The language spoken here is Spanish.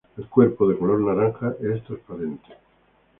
El cuerpo, de color naranja, es transparente.